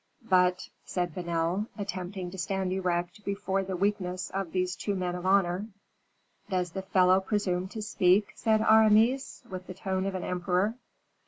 "But " said Vanel, attempting to stand erect before the weakness of these two men of honor. "Does the fellow presume to speak?" said Aramis, with the tone of an emperor.